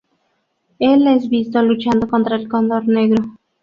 Él es visto luchando contra el Cóndor Negro.